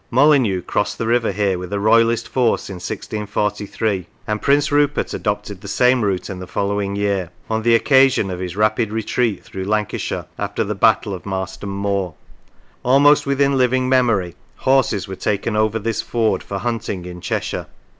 Molyneux crossed the river here with a Royalist force in 1643, and Prince Rupert adopted the same route in the following year, on the occasion of his rapid retreat through Lancashire after the battle of Marston Moor. Almost within living memory horses were taken over this ford for hunting in Cheshire.